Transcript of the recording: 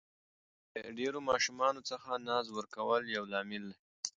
له ډېرو ماشومانو څخه ناز ورکول یو لامل دی.